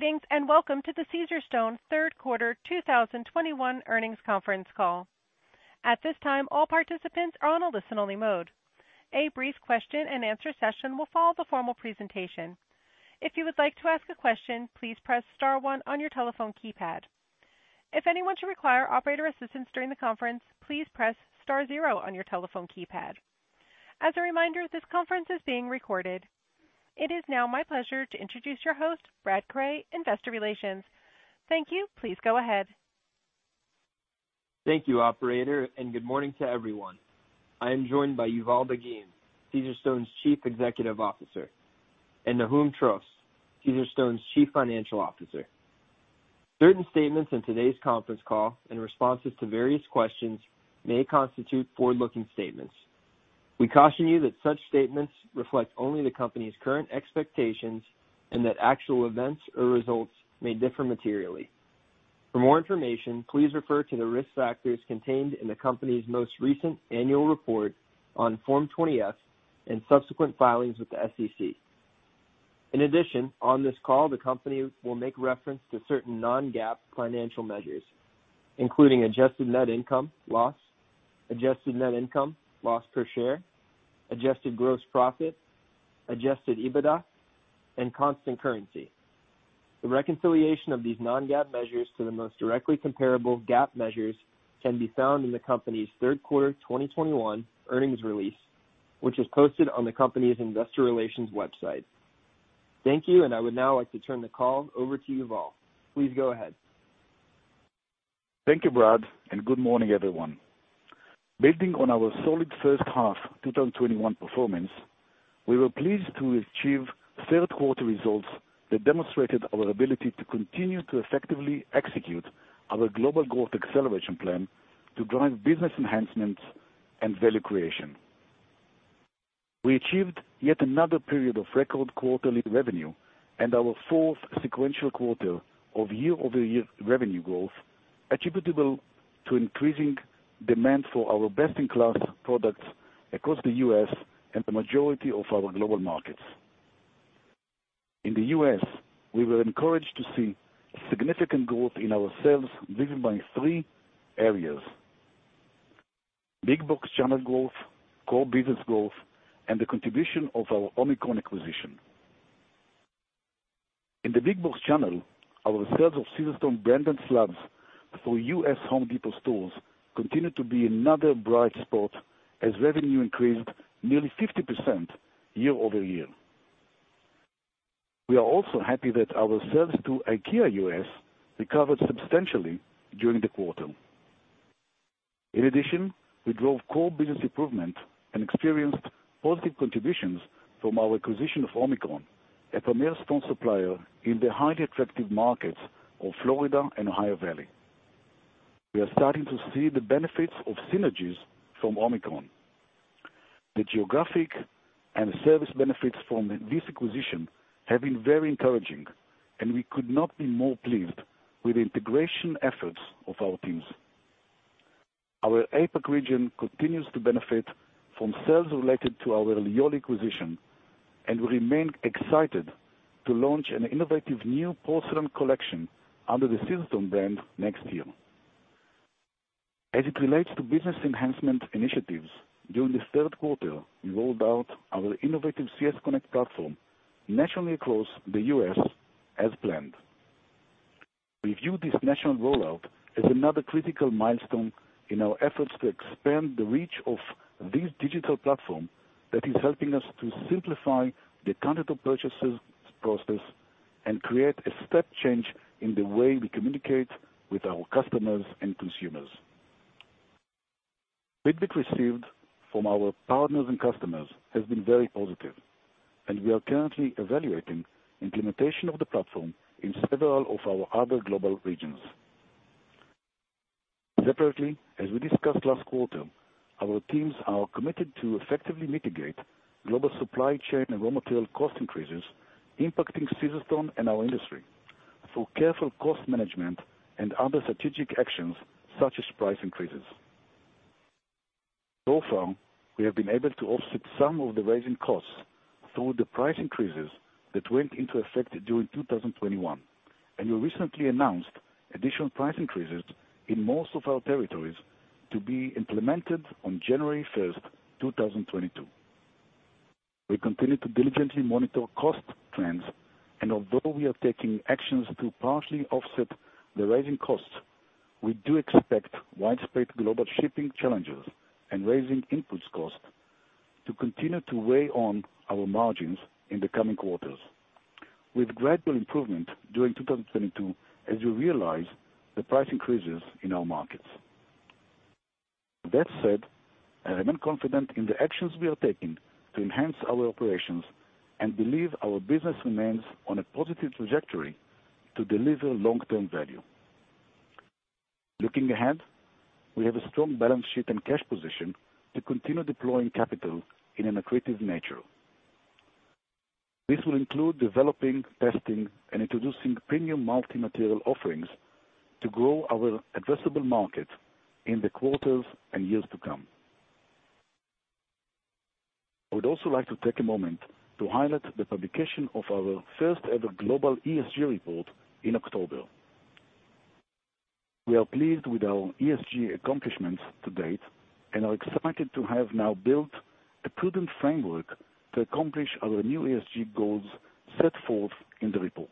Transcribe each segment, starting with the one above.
Greetings, and welcome to the Caesarstone third quarter 2021 earnings conference call. At this time, all participants are on a listen-only mode. A brief question-and-answer session will follow the formal presentation. If you would like to ask a question, please press star one on your telephone keypad. If anyone should require operator assistance during the conference, please press star zero on your telephone keypad. As a reminder, this conference is being recorded. It is now my pleasure to introduce your host, Brad Cray, Investor Relations. Thank you. Please go ahead. Thank you, operator, and good morning to everyone. I am joined by Yuval Dagim, Caesarstone's Chief Executive Officer, and Nahum Trost, Caesarstone's Chief Financial Officer. Certain statements in today's conference call in responses to various questions may constitute forward-looking statements. We caution you that such statements reflect only the company's current expectations and that actual events or results may differ materially. For more information, please refer to the risk factors contained in the company's most recent annual report on Form 20-F and subsequent filings with the SEC. In addition, on this call, the company will make reference to certain non-GAAP financial measures, including adjusted net income, loss, adjusted net income, loss per share, adjusted gross profit, adjusted EBITDA, and constant currency. The reconciliation of these non-GAAP measures to the most directly comparable GAAP measures can be found in the company's third quarter 2021 earnings release, which is posted on the company's investor relations website. Thank you, and I would now like to turn the call over to Yuval. Please go ahead. Thank you, Brad, and good morning, everyone. Building on our solid first half 2021 performance, we were pleased to achieve third quarter results that demonstrated our ability to continue to effectively execute our Global Growth Acceleration Plan to drive business enhancements and value creation. We achieved yet another period of record quarterly revenue and our fourth sequential quarter of year-over-year revenue growth attributable to increasing demand for our best-in-class products across the U.S. and the majority of our global markets. In the U.S., we were encouraged to see significant growth in our sales driven by three areas, big box channel growth, core business growth, and the contribution of our Omicron acquisition. In the big box channel, our sales of Caesarstone branded slabs through U.S. Home Depot stores continued to be another bright spot as revenue increased nearly 50% year-over-year. We are also happy that our sales to IKEA U.S. recovered substantially during the quarter. In addition, we drove core business improvement and experienced positive contributions from our acquisition of Omicron, a premier stone supplier in the highly attractive markets of Florida and Ohio Valley. We are starting to see the benefits of synergies from Omicron. The geographic and service benefits from this acquisition have been very encouraging, and we could not be more pleased with the integration efforts of our teams. Our APAC region continues to benefit from sales related to our Lioli acquisition, and we remain excited to launch an innovative new porcelain collection under the Caesarstone brand next year. As it relates to business enhancement initiatives, during this third quarter, we rolled out our innovative CS Connect platform nationally across the U.S. as planned. We view this national rollout as another critical milestone in our efforts to expand the reach of this digital platform that is helping us to simplify the countertop purchases process and create a step change in the way we communicate with our customers and consumers. Feedback received from our partners and customers has been very positive, and we are currently evaluating implementation of the platform in several of our other global regions. Separately, as we discussed last quarter, our teams are committed to effectively mitigate global supply chain and raw material cost increases impacting Caesarstone and our industry through careful cost management and other strategic actions such as price increases. Far, we have been able to offset some of the rising costs through the price increases that went into effect during 2021, and we recently announced additional price increases in most of our territories to be implemented on January 1, 2022. We continue to diligently monitor cost trends, and although we are taking actions to partially offset the rising costs, we do expect widespread global shipping challenges and rising inputs costs to continue to weigh on our margins in the coming quarters, with gradual improvement during 2022 as we realize the price increases in our markets. That said, I remain confident in the actions we are taking to enhance our operations and believe our business remains on a positive trajectory to deliver long-term value. Looking ahead, we have a strong balance sheet and cash position to continue deploying capital in an accretive nature. This will include developing, testing, and introducing premium multi-material offerings to grow our addressable market in the quarters and years to come. I would also like to take a moment to highlight the publication of our first ever global ESG report in October. We are pleased with our ESG accomplishments to date, and are excited to have now built a prudent framework to accomplish our new ESG goals set forth in the report.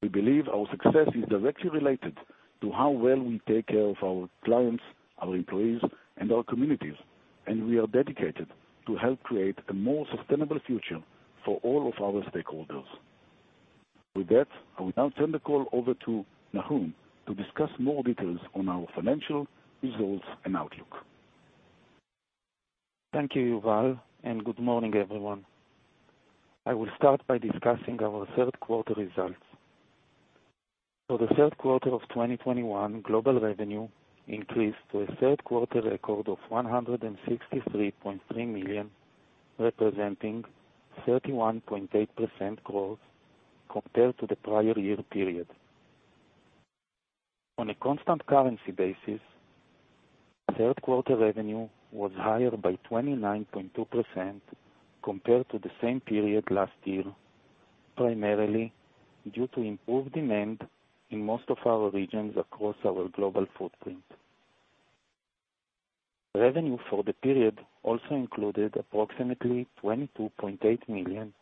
We believe our success is directly related to how well we take care of our clients, our employees, and our communities, and we are dedicated to help create a more sustainable future for all of our stakeholders. With that, I will now turn the call over to Nahum to discuss more details on our financial results and outlook. Thank you, Yuval, and good morning, everyone. I will start by discussing our third quarter results. For the third quarter of 2021, global revenue increased to a third quarter record of $163.3 million, representing 31.8% growth compared to the prior year period. On a constant currency basis, third quarter revenue was higher by 29.2% compared to the same period last year, primarily due to improved demand in most of our regions across our global footprint. Revenue for the period also included approximately $22.8 million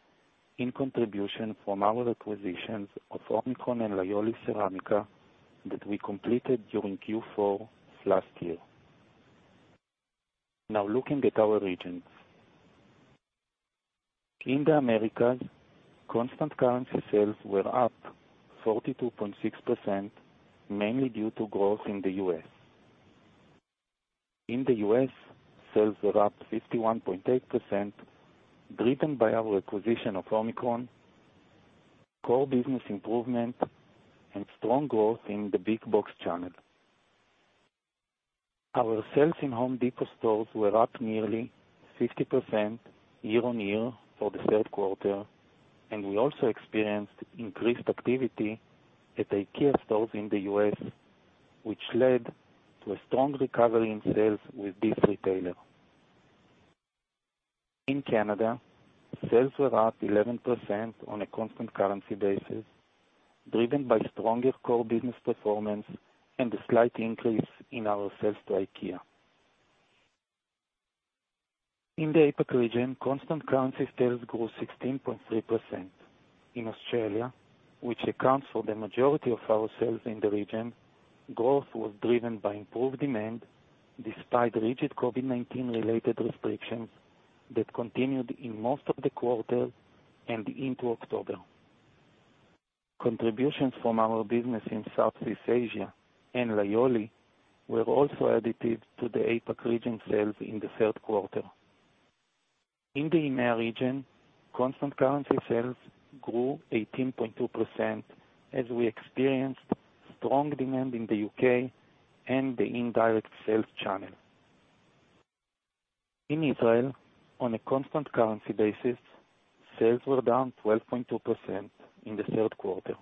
in contribution from our acquisitions of Omicron and Lioli Ceramica that we completed during Q4 of last year. Now, looking at our regions. In the Americas, constant currency sales were up 42.6%, mainly due to growth in the U.S. In the U.S., sales were up 51.8%, driven by our acquisition of Omicron, core business improvement, and strong growth in the big box channel. Our sales in Home Depot stores were up nearly 50% year-on-year for the third quarter, and we also experienced increased activity at IKEA stores in the U.S., which led to a strong recovery in sales with this retailer. In Canada, sales were up 11% on a constant currency basis, driven by stronger core business performance and a slight increase in our sales to IKEA. In the APAC region, constant currency sales grew 16.3%. In Australia, which accounts for the majority of our sales in the region, growth was driven by improved demand despite rigid COVID-19 related restrictions that continued in most of the quarter and into October. Contributions from our business in Southeast Asia and Lioli were also additive to the APAC region sales in the third quarter. In the EMEIA region, constant currency sales grew 18.2%, as we experienced strong demand in the U.K. and the indirect sales channel. In Israel, on a constant currency basis, sales were down 12.2% in the third quarter,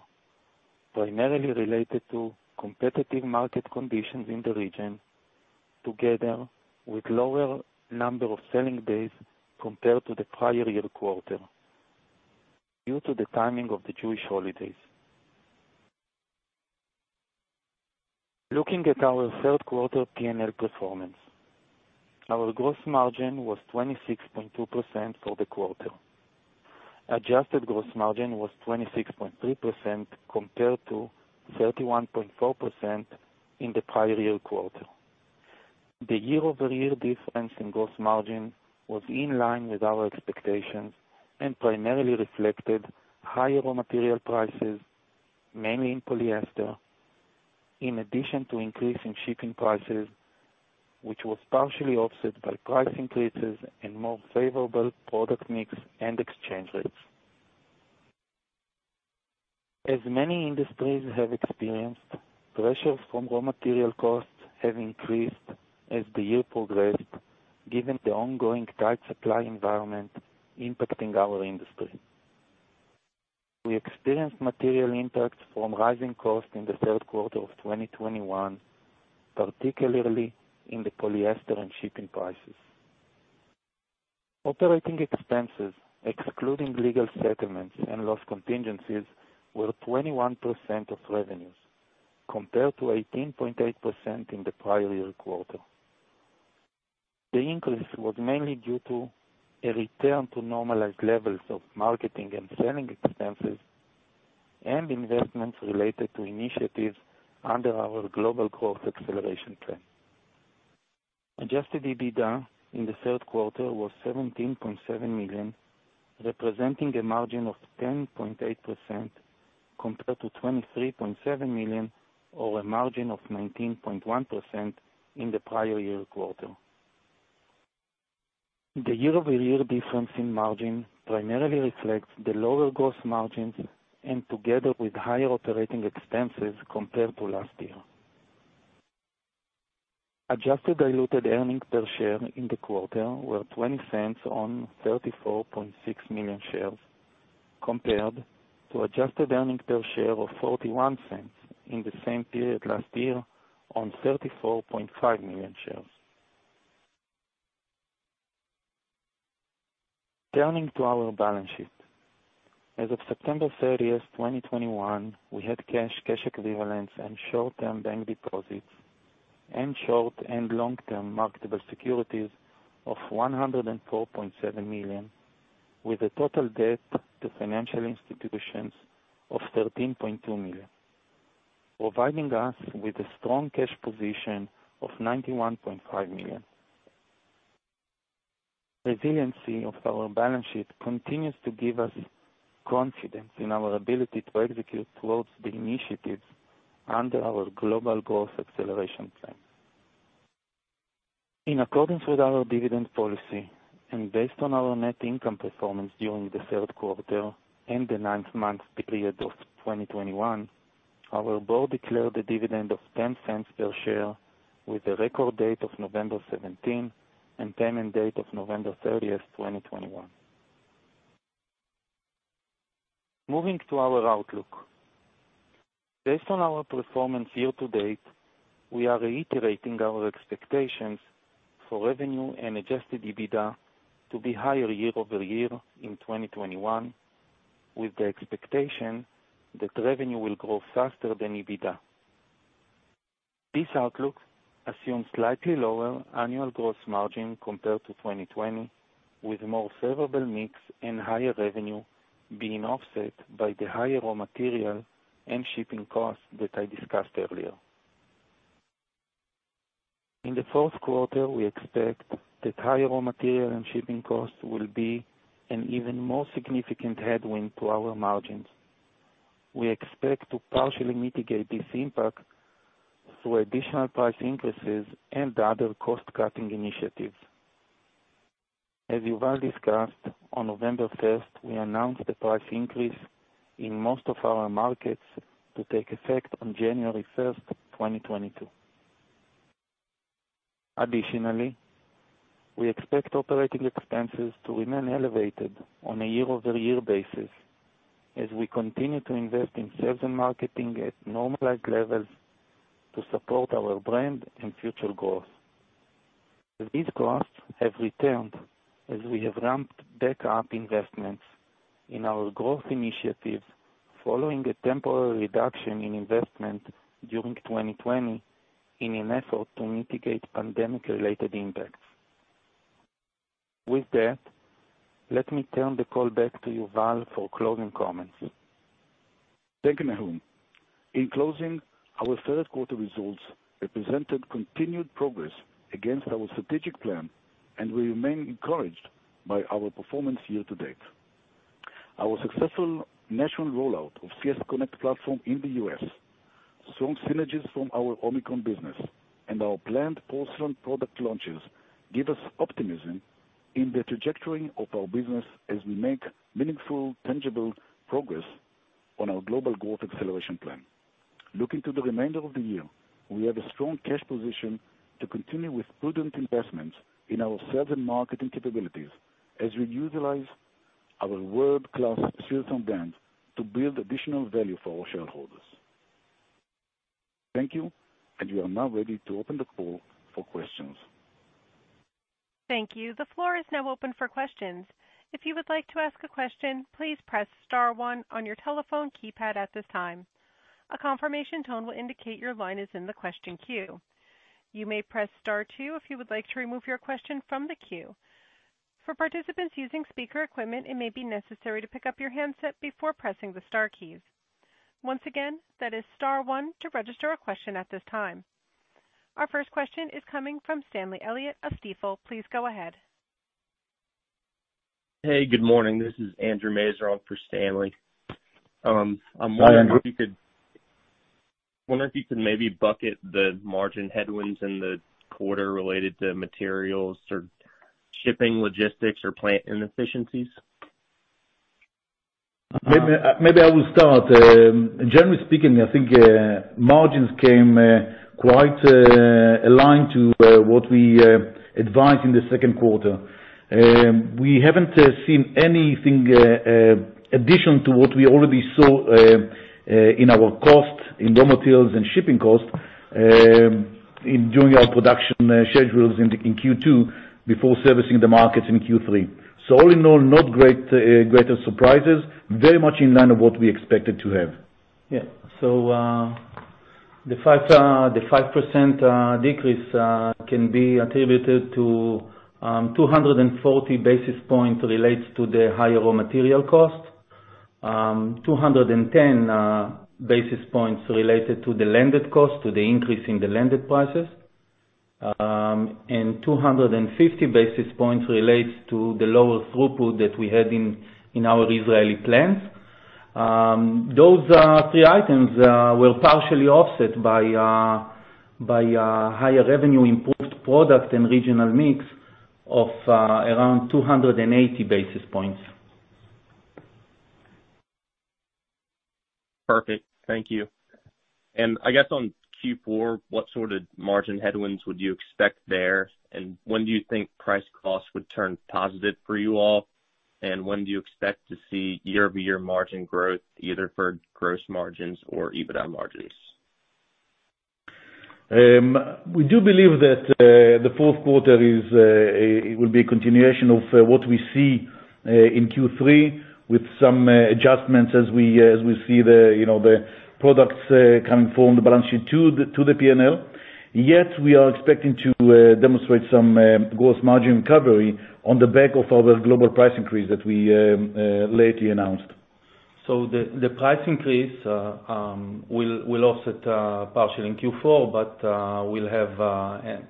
primarily related to competitive market conditions in the region, together with lower number of selling days compared to the prior year quarter due to the timing of the Jewish holidays. Looking at our third quarter P&L performance. Our gross margin was 26.2% for the quarter. Adjusted gross margin was 26.3% compared to 31.4% in the prior year quarter. The year-over-year difference in gross margin was in line with our expectations and primarily reflected higher raw material prices, mainly in polyester, in addition to an increase in shipping prices, which was partially offset by price increases and more favorable product mix and exchange rates. Many industries have experienced pressures from raw material costs that have increased as the year progressed, given the ongoing tight supply environment impacting our industry. We experienced material impacts from rising costs in the third quarter of 2021, particularly in the polyester and shipping prices. Operating expenses, excluding legal settlements and loss contingencies, were 21% of revenues, compared to 18.8% in the prior year quarter. The increase was mainly due to a return to normalized levels of marketing and selling expenses and investments related to initiatives under our Global Growth Acceleration Plan. Adjusted EBITDA in the third quarter was $17.7 million, representing a margin of 10.8% compared to $23.7 million or a margin of 19.1% in the prior year quarter. The year-over-year difference in margin primarily reflects the lower gross margins, and together with higher operating expenses compared to last year. Adjusted diluted earnings per share in the quarter were $0.20 on 34.6 million shares. Compared to adjusted earnings per share of $0.41 in the same period last year on 34.5 million shares. Turning to our balance sheet. As of September 30, 2021, we had cash equivalents, and short-term bank deposits, and short- and long-term marketable securities of $104.7 million, with a total debt to financial institutions of $13.2 million, providing us with a strong cash position of $91.5 million. Resiliency of our balance sheet continues to give us confidence in our ability to execute towards the initiatives under our Global Growth Acceleration Plan. In accordance with our dividend policy, and based on our net income performance during the third quarter and the ninth-month period of 2021, our board declared a dividend of $0.10 per share with a record date of November 17 and payment date of November 30th2021. Moving to our outlook. Based on our performance year to date, we are reiterating our expectations for revenue and adjusted EBITDA to be higher year-over-year in 2021, with the expectation that revenue will grow faster than EBITDA. This outlook assumes slightly lower annual gross margin compared to 2020, with more favorable mix and higher revenue being offset by the higher raw material and shipping costs that I discussed earlier. In the fourth quarter, we expect that higher raw material and shipping costs will be an even more significant headwind to our margins. We expect to partially mitigate this impact through additional price increases and other cost-cutting initiatives. As Yuval discussed, on November 1st, we announced a price increase in most of our markets to take effect on January 1st, 2022. Additionally, we expect operating expenses to remain elevated on a year-over-year basis as we continue to invest in sales and marketing at normalized levels to support our brand and future growth. These costs have returned as we have ramped back up investments in our growth initiatives following a temporary reduction in investment during 2020 in an effort to mitigate pandemic-related impacts. With that, let me turn the call back to Yuval for closing comments. Thank you, Nahum. In closing, our third quarter results represented continued progress against our strategic plan, and we remain encouraged by our performance year to date. Our successful national rollout of CS Connect platform in the U.S., strong synergies from our Omicron business, and our planned porcelain product launches give us optimism in the trajectory of our business as we make meaningful, tangible progress on our Global Growth Acceleration Plan. Looking to the remainder of the year, we have a strong cash position to continue with prudent investments in our sales and marketing capabilities as we utilize our world-class Stone brands to build additional value for our shareholders. Thank you, and we are now ready to open the call for questions. Thank you. The floor is now open for questions. If you would like to ask a question, please press star one on your telephone keypad at this time. A confirmation tone will indicate your line is in the question queue. You may press star two if you would like to remove your question from the queue. For participants using speaker equipment, it may be necessary to pick up your handset before pressing the star keys. Once again, that is star one to register a question at this time. Our first question is coming from Stanley Elliott of Stifel. Please go ahead. Hey, good morning. This is Andrew Mazerall for Stanley. I'm wondering if you could. Hi, Andrew. Wondering if you could maybe bucket the margin headwinds in the quarter related to materials or shipping logistics or plant inefficiencies? Maybe I will start. Generally speaking, I think margins came quite aligned to what we advised in the second quarter. We haven't seen anything in addition to what we already saw in our costs of raw materials and shipping costs in doing our production schedules in Q2 before servicing the markets in Q3. All in all, no greater surprises, very much in line with what we expected to have. Yeah. The 5% decrease can be attributed to 240 basis points relates to the higher raw material cost. 210 basis points related to the landed cost, to the increase in the landed prices. 250 basis points relates to the lower throughput that we had in our Israeli plants. Those three items were partially offset by higher revenue, improved product and regional mix of around 280 basis points. Perfect. Thank you. I guess on Q4, what sort of margin headwinds would you expect there, and when do you think price costs would turn positive for you all, and when do you expect to see year-over-year margin growth, either for gross margins or EBITDA margins? We do believe that the fourth quarter will be a continuation of what we see in Q3 with some adjustments as we see the, you know, the products coming from the balance sheet to the P&L. Yet, we are expecting to demonstrate some gross margin recovery on the back of our global price increase that we lately announced. The price increase will offset partially in Q4, but will have a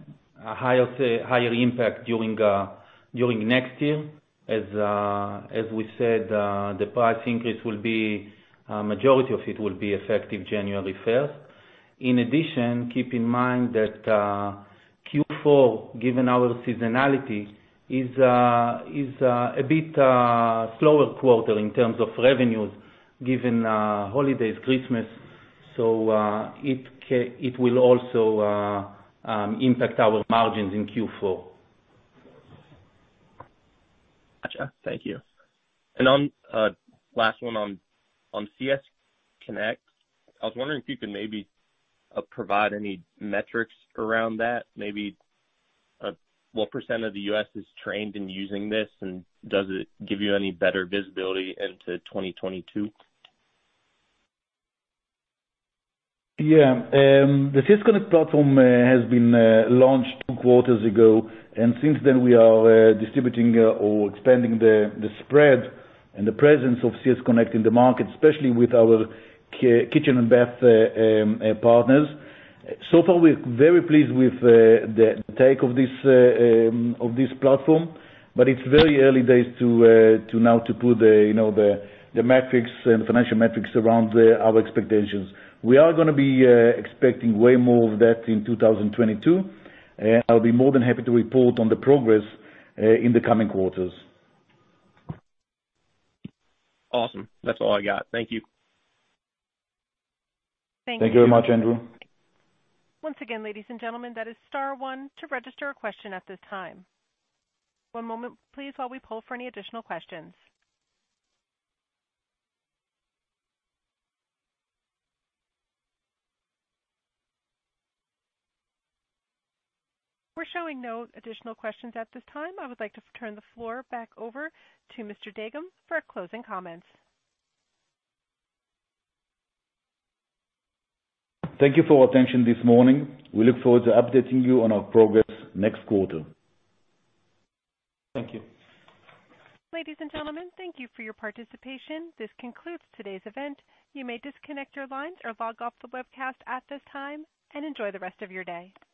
higher, say, higher impact during next year. As we said, the price increase, majority of it, will be effective January first. In addition, keep in mind that Q4, given our seasonality, is a bit slower quarter in terms of revenues given holidays, Christmas. It will also impact our margins in Q4. Gotcha. Thank you. On last one on CS Connect, I was wondering if you could maybe provide any metrics around that. Maybe what % of the U.S. is trained in using this, and does it give you any better visibility into 2022? Yeah. The CS Connect platform has been launched two quarters ago, and since then we are distributing or expanding the spread and the presence of CS Connect in the market, especially with our kitchen and bath partners. So far, we're very pleased with the uptake of this platform, but it's very early days too now to put you know the metrics and financial metrics around our expectations. We are gonna be expecting way more of that in 2022, and I'll be more than happy to report on the progress in the coming quarters. Awesome. That's all I got. Thank you. Thank you very much, Andrew. Once again, ladies and gentlemen, that is star one to register a question at this time. One moment, please, while we poll for any additional questions. We're showing no additional questions at this time. I would like to turn the floor back over to Mr. Dagim for closing comments. Thank you for your attention this morning. We look forward to updating you on our progress next quarter. Thank you. Ladies and gentlemen, thank you for your participation. This concludes today's event. You may disconnect your lines or log off the webcast at this time, and enjoy the rest of your day.